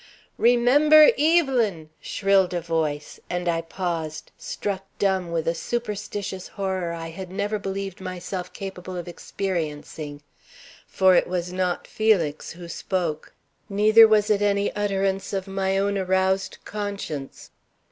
"Remember Evelyn!" shrilled a voice, and I paused, struck dumb with a superstitious horror I had never believed myself capable of experiencing. For it was not Felix who spoke, neither was it any utterance of my own aroused conscience.